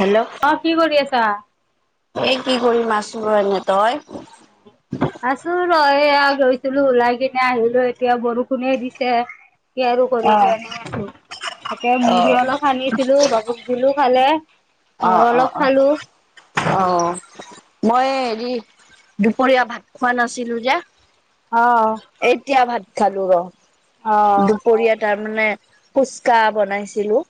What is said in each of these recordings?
Hello অ কি কৰি আছা এই কি কৰি মাছ ম এনে তই আছো ৰ এইয়া গৈছিলো ওলাই কিনে আহিলো এতিয়া বৰষুণে দিছে কি আৰু কৰিবি অ', এনেই আছো তাকে মু়ি অলপ সাননিছিলো বাবু দলো খালে মই অ', অ', অলপ অ', খালো অ মই হেৰি দুপৰীয়া ভাত খোৱা নাছিলো যে অ এতিয়া ভাত খালো ৰ অ দুপৰীয়াত তাৰ মানে ফুচকা বনাইছিলো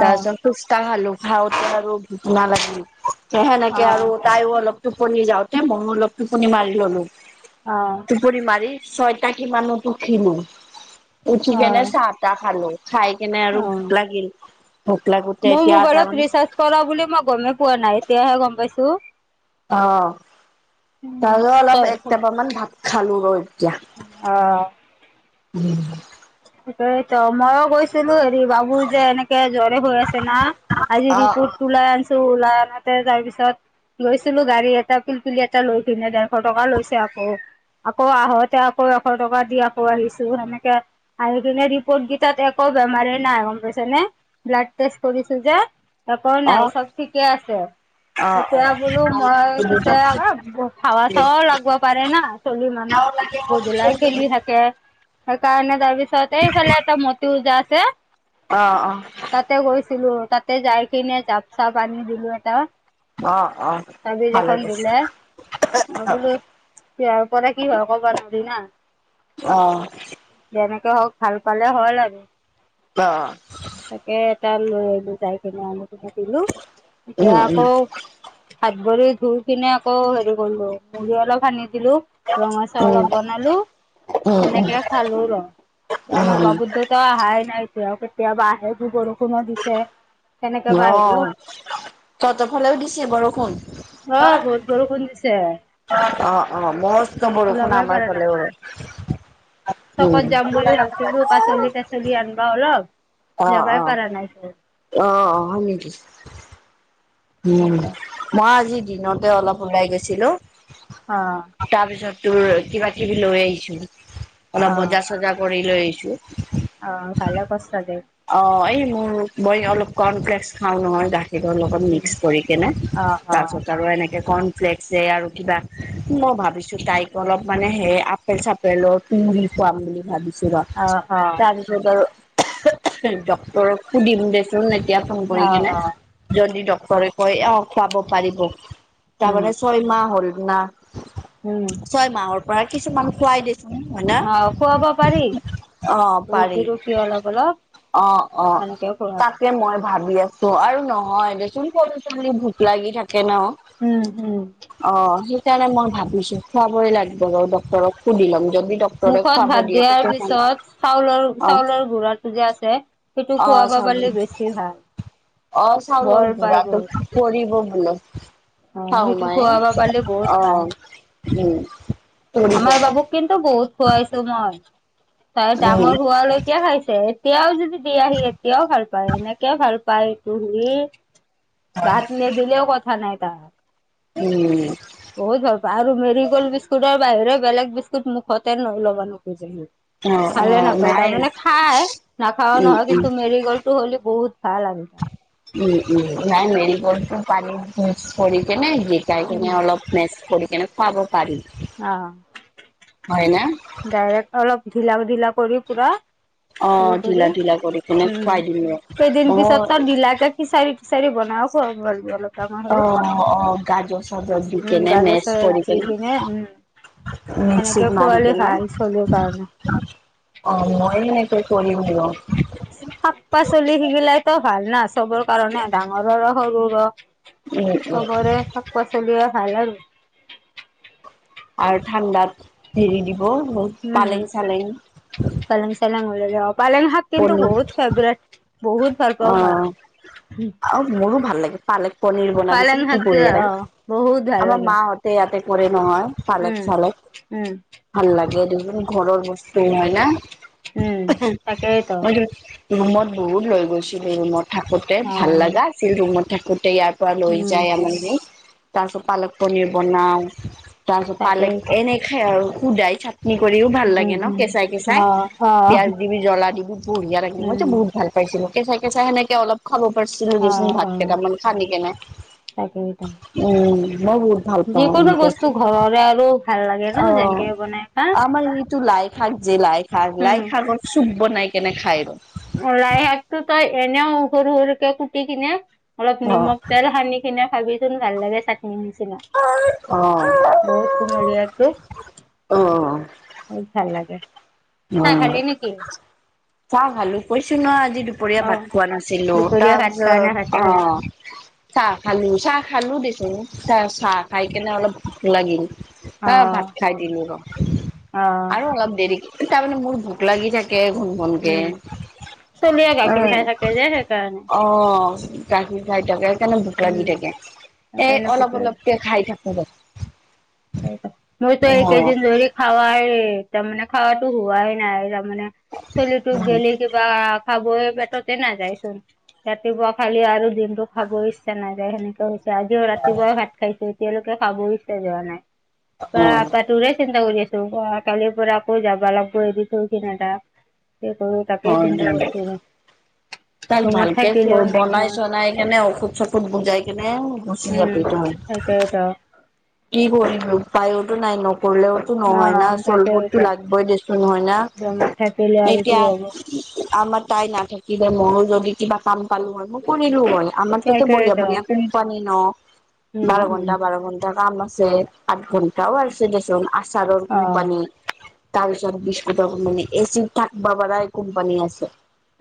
অ অ তাৰ পিছত ফুচকা খালো খা আৰু ঘূটনা লাগিল স সেনেকে আৰু তাইয়ো অলপ টোপনি যাওঁতে মইয়ো অলপ টোপনি মাৰি ললো অ টোপনি মাৰি ছয়টা কিমানোত উঠিলো উঠি কেনে চাহ তাহ খালো খাই কেনে আৰু অ ভোক লাগিল ভোক লাগোতে এতিয়া তাৰ মানে চল বুলি মই গমেই পোৱা নাই তেতিয়াহে গম পাইছো অ তাৰত অলপ তই একটাব মান ভাত খালো ৰ এতিয়া অ উম তিকেই ত মইও গৈছিলো হেৰি বাবুৰ যে এনেকে জ্বৰে হৈ আছে না আজি অ', ৰিপুত ওলাই আনছো ওলাই আনাতে তাৰ পিছত লৈছিলো গাড়ী এটা পিলপুলি এটা লৈ পিনে ডেৰশ টকা লৈছে আকৌ আকৌ আহোঁতে আকৌ এশ টকা দি আকৌ আহিছো সেনেকে আৰু সেইনে ৰিপৰ্ট কেইটাত একো বেমাৰে নাই গম পাইছেনেে ব্লাড টেষ্ট কৰিছো যে ত ক নাই অ', সব ঠিকে আছে অ', অ', এতিয়া বোলো ভালে মই পিছে আ হাৱা চাৱাও লাগব পাৰে না চলি বেয়াও মানুহ লাগে মনটো গধূলাই বেয়াও লাগে মনটো খেলি থাকে সেইকাৰণে তাবিছতে এইফাল এটা মট ওজা আছে অ অ তাতে গৈছিলো তাতে যাই কিনে জাপ চাপ আনি দিলো এটা অ', অ', তাবিজ ভালে এখন গৈছে। দিলে বোলো তহাৰ পৰা কি হয় কবা ধৰি না অ যেনেকে হওক ভাল পালে হল আৰু অ তাকে এটা লৈ আহিলো যাই কিনে দিলো দিলো এতিয়া উম, উম, আকৌ হাত ভৰি ধুই কিনে আকৌ হেৰি কৰিলো মুৰি অলপ সানি দিলো ৰঙচাও উম, অলপ বনালো উম, সনেকে খালো ৰ আমাৰ বাবু উম, দেউতা অহাই নাই তেওঁ কেতিয়াবা আহে যি বৰষুণো দিছে কেনেকে বা আহিব অ ততৰফালেও দিছে বৰষুণ অ বহুত বৰষুণ দিছে অ অ মস্ত বৰষুণ ওলাবই আমাৰ পৰা নাই। ফালে ৰ উম চেনী আন বা অলপ অ যাবাই অ পাৰা নাইচোন অ অ হয় নেকি উম মই আজি দিনতে অলপ ওলাই গৈছিলো অ তাৰ পিছত তোৰ কিবা কিবি লৈ আহিছো অলপ অ'। বজা চজা কৰি লৈ আহিছো অ ভালে কৰছা দে অ এই মোৰ বই অলপ কনপ্লেক্স খাও নহয় গাত সেইবোৰ লগত উম, মিক্স কৰি কিনে অ', অ'। তাৰপছত আৰু এনেকে কৰ্নফ্লেক্স আৰু কিবা মই ভাবিছোঁ তাইক অলপ মানে সে চাপেল তুঙৰি খুৱাম বুলি ভাবিছো আ অ' অ'। তাৰপিছত আৰু ড্টৰক সুধিম দেচোন এতিয়া ফোন কৰি অ', কিনে। অ', যদি ডক্তৰে কয় অ' পাব পাৰিব, উম, তাৰমানে ছয়মাহ হ'ল না। উম। ছয় মাহৰ পৰা কিছুমান খুৱাই দিছে। হয় অ' খুৱাব পাৰি ন, অ' পাৰি। ৰুটি ৰুটি অলপ অলপ। অ' অ' সেনেকে খুৱাবি তাকে। মই ভাবি আছো আৰু নহয় দেচোন সৰু চলি ভোক লাগি থাকে ন। উম হম। অ' সেইকাৰণে মই ভাবিছো খুৱাবই লাগিব বাৰু ড্টৰক সুধি লম যদি ডক্তৰে মুখত খুৱাব ভাত দিয়ে দিয়াৰ তেতিয়া খাম। পিছত চাউলৰ অ', চাউলৰ গুৰাটো যে আছে। সেইটো অ' খুৱাব চল পাৰিলে বেছি ভাল অ' বল চাউলৰ পায় গুৰাটো। বহুত কৰিব বোলে, অ খাও সেইটো মায়ে, খুৱাব পাৰিলে বহুত ভাল অ' উম। কৰিব আমাৰ বাবুক কিন্তু বহুত খোৱাইছো মই, তাই উম, ডাঙৰ হোৱালৈ এতিয়া খাইছে এতিয়াও যদি দি আহি এতিয়াও ভাল পায় এনেকে ভাল পায় এইটো হী বাত নিদিলেও কথা নাই তাক। উম। বত ভাল আৰু মেৰি গলড বিস্কুট। ৰ বাহিৰে বেলেগ বিস্কুট মুখতে নৈ ল'ব নোখোজে হি অ', ভালে অ', নাপায়, নাই তাৰমানে খাই, নাখাও উম, নহয় উম, কিন্তু মেৰি গাৰ্লটো হ'লে বহুত ভাল আৰু। উম উম নাই মেৰি গলটো পানীত মিক্স কৰি কিনি কেনে দিম। শিকাই উম কিনে অলপ মেস কৰি কেনে খুৱাব পাৰি। অ'। হয় ন। ডাইৰেক্ট অলপ ঢিলা ঢিলা কৰি পুৰা অ', ঢিলা ঢিলা [unintelligible] কৰি কেনে খুৱাই উম, দিম ৰ। কেই দিন মই পিছত তাৰ বিলাদে কিচাৰী তিচাৰি বন খোৱাল অ' অ' গাজৰ চাজৰ দি উম কেনে গাজৰ মেচ চাজৰ কৰি দি কেনে কিনে উম সেনেকে মিক্সিত মাৰি খোৱালে কিনে। ভাল [unintelligible] চলিৰ কাৰণে অ' মইও এতিয়া কৰিম আৰু। শাক পাচলি সিগিলাই তো ভাল ন চব কাৰণে ডাঙৰৰ ৰ সৰু ৰ। উম, উম, সবৰে শাক পাচলিএই ভাল আৰু। আৰু ঠাণ্ডাত, হেৰি দিব বহ উম, পালেং চালেং ওলাই যাব, পালং শাক কিন্তু পনীৰ বহুত ফেভৰেট, বহুত ভাল পাওঁ মই, অ', হম। আৰু মোৰো ভাল লাগে। পালেক পনীৰ পালেং বনাবিছিল কি শাকটো বঢ়িয়া অ লাগে, বহুত ভাল আমাৰ লাগে মাহঁতে ইয়াতে কৰে নহয় পালেক উম, চালেক। উম। ভাল লাগে দুজন ঘৰৰ বস্তু হয় ন। উম, তাকেইতো। ৰুমত বহুত লৈ গৈছিলো ৰুমত থাকোতে ভাল অ', লগা আছিল ৰুমত থাকোতে ইয়াত। লৈ উম, যায় আমাৰ, তাৰ পিছত পালক পনিৰ বনাও। তাৰিছত পালেক তাকেইতো এনেকে আৰু সুদাই থাকে। নি কৰিও ভাল উম, লাগে ন উম, কেঁচাই-কেচাই, অ', অ', পিয়াজ জ্বলা দিব বঢিয়া লাগিল মইত উম, বহুত ভাল পাইছিলোে চে চাইেনেকে অলপ খাব পাৰছিলো দেচোন অ', ভাত অ', কেইটামান খান কেনে, তাকেইতো উম মই বহুত ভাল পাওঁ যিকোনো এনেকে, বস্তু ঘৰৰে আৰু ভাল লাগে ন' অ' যেনকে বনাই খা আমাৰ এইটো লাই থাক য লাই খাক লাই উম, খাক চুব নাই কেনে খাই ৰ। লাইশাকতো তই এনেও সৰু সৰুকে কুটি কিনে অলপ নিমখ তেল সানি সেইনেনা ভাবি চোন ভাল লাগে চাটনি নিচিনা। অ অ বহুত কমলীয়া তো অ বত ভাল লাগে। অ চাহ খালি নেকি? চা ভালো কৈছো ন আজি দু দুুপৰীয়া ভাত অ', খোৱা নাছিলো দুপৰীয়া ভাত খোৱা নে ভাতে তাৰপিছত অ খালি? চাহ খালো চাহ খালো দেছোন চাহ চাহ খাই কেনে অলপ ভাল লাগিল আহ অ', ভাত খাই দিলো ৰ অ', আৰু অলপ দেৰি তাৰমানে মোৰ ভ ভোক লাগি থাকে ঘোন উম, চলিয়ে ঘণকৈ গাখীৰ খাই উম থাকে যে সেইকাৰণে। অ গাখীৰ খাই থাকে সেইকাৰণে ভোক উম, লাগি থাকে এই সেইকাৰণে অলপ কুকুৰ অলপকে খাই থাকো ব মোৰ তো একেইদিন ধৰি খোৱা আৰু তাৰ মানে খোৱাটো হোৱাই নাই তাৰ মানে চলটুক অ গলেি কিবা খাব পেটতে না যাইচোন ৰাতিপুৱা খালি আৰু দিনটো খাব ইচ্ছা নাই যখেক হৈছে আজিও ৰাতিপুৱা প আপা টৰেছ এ ত গল কালিৰ পৰা আকৌ যাবা লাগিব এৰি থো সিন এটা সেই কৰ তাকে হয় চিন্তা কৰিছো তাক ৰুমত ভালকে থাকিলেও বনাই নহয়। চনাই কেনে ঔষুধ চষুধ সেইাকেইত কি কৰিম উপায়তো নাই নকৰিলেও এইটো নহয় না অ'। চল বৰ্ডটো তাকেইতো লাগিবই দেচোন নহয় না জমাত থাকিলে আৰু কি হ'ব। এতিয়া আমাৰ তাই নাথাকিলে মইো যদি কিবা কাম পালো আৰু কৰিলো হয় আাৰ তো বঢিয়া তাকেইতো বঢ়িয়া কোম্পানী ন উম, বাৰ উম, ঘন্টা বাৰ ঘণ্টা এটা কাম আছে আঠ ঘন্টাও আৰুছে দেচোন আচাৰৰ অ', কোম্পানী তাৰপিছত বিস্কুটৰ কোম্পানি মানে এ চি থাকিব পাই কোম্পানী আছে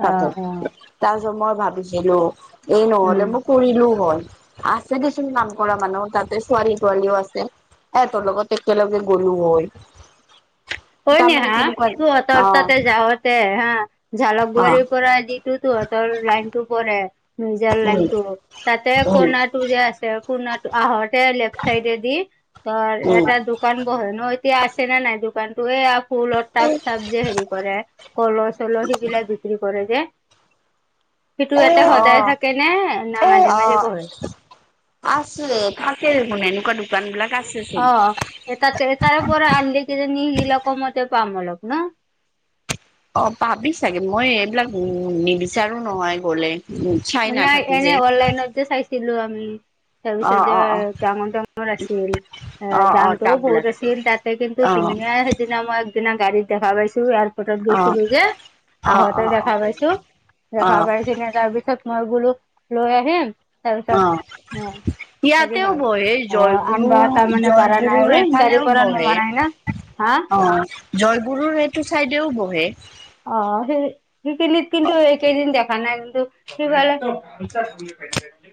ত অ', অ'। তাৰপিছত মই ভাবিছিলো এই উম, নহলে মোক কৰিলোও হল আছে দেচোন নাম কৰা মানুহ তাতে ছোৱালী বোৱিৰি আছে এ তোৰ লগত একেলগে গলো হয় হয় ন তাৰমানে হা কেনেকুৱা তোৰ অত অ তাতে যাাৱতে হা ঝালক অ', বোৱাৰাৰীৰ পৰা দি তোহঁতৰ লাইনতটো পৰে মউজিয় লাইন উম, টো তাতে উম, কণাত যে আ ক আহতে লেফ চাইড দি উম। এটা দোকান বহে ন এতিয়া আছে নাই দোকানতটো এই ফুলত তাপ চাপ যে হেৰি কৰে কলহ চলহ সিগিলাক বিক্ৰী কৰে যে সিটো এতে সদায় অ', থাকে নে না মাজে মাজে অ', বঢ়ে আছে ফচ ম এনেকুৱা দোকান বিলাক আছে চ এটাাত এ তাৰে পৰা আনিলে কিজানি নিহিল কমতে পাম অলপ ন অ ভাবি চাগে মই এইবিলাক নিবিচাৰো নহয় গলে চাই নাই নাথাকো যে। এনেই অনলাইনত যে চাইছিলো আমি তাৰিছ অ', যে অ', অ', ডাঙৰ ডাঙৰ আছিল অ দামটোও বহুত আছিল তাতে কিন্তু অ', ধুনীয়া সেইদিনা মই একদিনা গাড়ীত দেখা পাইছো আৰু ফটত অ', গৈছিলো যে অ', আহোঁতে অ', দেখা পাইছো দেখা অ', পাই কিনে তাৰ পিছত মই গলো লৈ আহিম অ'। তাৰপিছত অ হেৰি ইয়াতেও হয় বহে অ জয়গুৰু আনিব তাৰমানে প়াৰা জয়গুৰুৰ নাই গাড়ী এফালেও পৰা বহে নামা নাই‌ ন অ জয়গুৰুৰ এইটো চাইডেও বহে অ সেই সেইখিনিত কিন্তু এই কেইদিন দেখা নাই কিন্তু সেইফাল সেই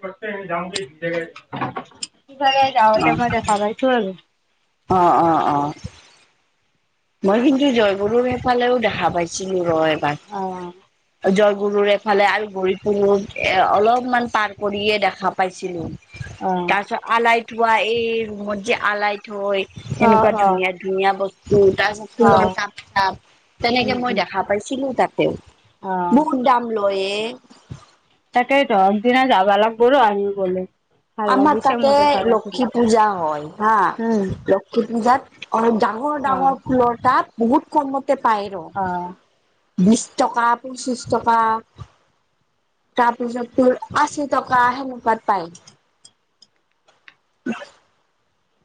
ফালে জাউতে‌ মই দেখা পাইছোঁ আৰু অ অ অ মই কিন্তু জয় গৰু সেইফালেও দেখা পাইছিলো ৰয় অ', জয়গুৰুৰ এফালে আৰু গুৰুৰ ফুৰু এ অলপমান পাৰ কৰিয়ে দেখা পাইছিলোঁ। অ তাৰ পিছত আলাই থোৱা, এই ৰুমত যে আলাই থৈ অ তেনেকুৱা অ ধুনীয়া। ধুনীয়া বস্তু তাৰ পিছত অ ফুলৰ তাপ চাপ, উম তেনেকে মই উম দেখা পাইছিলোঁ, তাতেও- অ', বহুত দাম লয়ে তাকেটো আগদিনা যাব লাগিবো আমি ব আমাৰ তাতে লক্ষী পূজা হয় হা, উম লক্ষী পূজাত অ', ডাঙৰ অ ডাঙৰ ফুলৰ তাব বহুত কমতে পায় অ ৰ বিশ টকা, পচিছ টকা। তাৰপিছত ফুল আশি তকা, হেনেকোৱাত পাই। উম।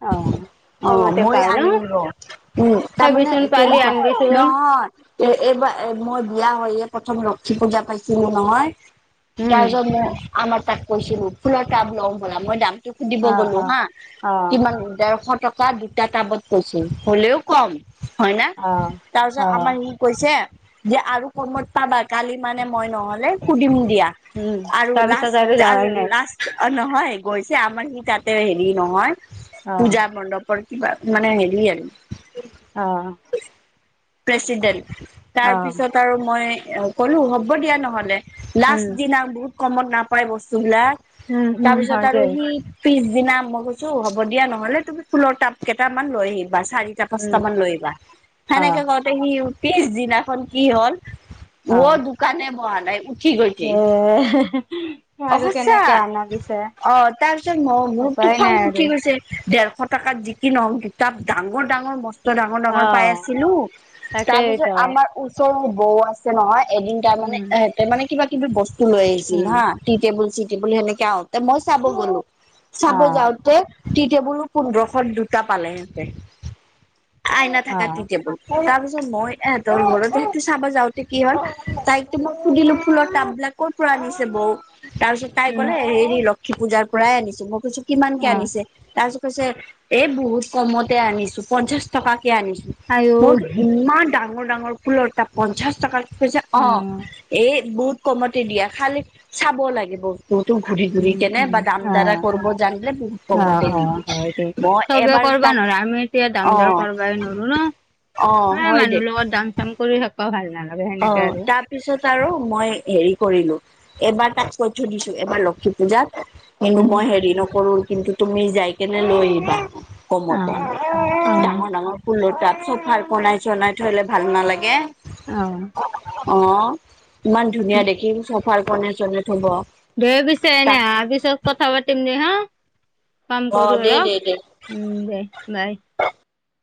অ'। অ', কমতে মই পাই ন আনিম ৰ, উম্, তাৰমানে চাবিচোন পালি তেনেকুৱা আনবিচোন নহয় এ, এইবাৰ মই বিয়া হৈয়ে প্ৰথম লক্ষী পূজা পাইছিলোঁ নহয়। উম তাৰ পিছত মই আমাৰ তাক কৈছিলোঁ, ফুলৰ টাব লওঁ বোলা মই দামটো সুধিব অ অ গলোঁ হা অ'। কিমান ডেৰশ টকা দুটা টাবত কৈছিল, হ'লেও কম। হয় না, অ তাৰপিছত অ আমাৰ কৈছে যে আৰু কমত পাবা, কালি মানে মই নহ'লে সুধিম দিয়া। উম, আৰু তাৰপিছত আৰু লাষ্ট, যাৱাই নাই। লাষ্ট অ', নহয় গৈছে, আমাৰ সি তাতে হেৰি নহয়। অ'। পূজা মণ্ডপ কিবা মানে হেৰি আৰু অ'। প্ৰেচিডেণ্ট। তাৰ অ', পিছত আৰু মই ক'লো হ'ব দিয়া নহ'লে। উম, লাষ্ট দিনা বহুত কমত নাপাই বস্তুবিলাক, উম, উম, হয় তাৰপিছত আৰু দে, সি পিছদিনা মই কৈছোঁ হ'ব দিয়া নহ'লে, তুমি ফুলৰ টাব কেইটামান লৈ আহিবা চাৰি টা উম, পাঁচটামান লৈ আহিবা। অ'। সেনেকে সি পিছদিনাখন কি হ'ল, ৱ অ'। দোকানে বহা নাই। কি কৰিছে ই, এ অ', আৰু সঁচা কেনেকে আনা পিছে অ', তাৰপিছত ম মোৰ তটো উপায় খং নাই উঠি আৰু। গৈছে। দেৰশ টকাত যিকি নহওঁক, দুটা ডাঙৰ ডাঙৰ মস্ত ডাঙৰ ডাঙৰ পাই অ', আছিলোঁ তাৰ পিছত তাকেইতো, আমাৰ ওচৰৰে বৌ আছে নহয়, এদিন তাৰমানে উম, এহেতে মানে কিবা কিবি বস্তু লৈ আহিছিল উম, হা টি টেবুল চি টেবুল সেনেকে আহোতে, মই চাব গলোঁ। চাব অ', যাওঁতে টি টেবুলো পোন্ধৰশত দুটা পালে সিহঁতে, আইনা থকা টি অ'। টেবুল। তাৰ পিছত মই এহঁতৰ ঘৰতেঁ চাবা যাওঁতে কি হ'ল তাইক মই সুধিলোঁ, ফুলৰ টাববিলাক কৰ পৰা আনিছে বৌ। তাৰ পিছত তাই উম, ক'লে হেৰি লক্ষী পূজাৰ পৰাই আনিছোঁ, মই কৈছোঁ কিমানকে অ', আনিছে তাৰ পিছত কৈছে, এই বহুত কমতে আনিছোঁ। পঞ্চাশ টকাকে আনিছোঁ। আইও মোক ইমান ডাঙৰ ডাঙৰ ফুলৰ তাব পঞ্চাশ টকাত কৈছে অ', এই বুট কমতে দিয়ে, খালী চাব লাগিব। ততো ঘূৰি ঘূৰি উম, কেনে উম, বা দাম দাৰা অ'। কৰব জানলে, বহুত অ', কমতে নি অ', হয় দে, চবে কৰিব নোৱাৰে, আমি এতিয়া দামদৰ অ কৰবাই নোৱাৰো ন। অ'। ইমান হয় দে মানুহৰ লগত দাম চাম কৰি থাকবৌ ভাল নালাগে। অ' সেনেকে তাত আৰু। তাৰপিছত আৰু মই হেৰি কৰিলোঁ। এবাৰ তাক কৈ থৈ দিছোঁ। এবাৰ লক্ষী পূজাত কিন্তু উম, মই হেৰি নকৰোঁ, কিন্তু তুমি যাই কেনে লৈ আহিবা। কমতে অ', অ', ডাঙৰ ডাঙৰ ফুলৰ তাত চফাৰ কনাই চনাই থৈলে ভাল নালাগে। অ'। অ', ইমান ধুনীয়া দেখিম চাফাৰ কনে চনে থব। দে পিছে এনে তাক আহাৰ পিছত কথা পাতিম দে হা কাম অ কৰো দে দে অলপ। দে উম, দে বাই।